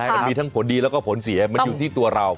มันมีทั้งผลดีแล้วก็ผลเสียมันอยู่ที่ตัวเรา